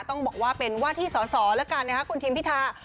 ต้องบอกว่าเป็นว่าที่สอแล้วกันคุณทิมพิทา